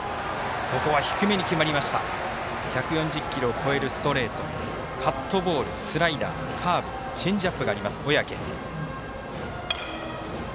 １４０キロを超えるストレートカットボール、スライダーカーブチェンジアップがあります、小宅。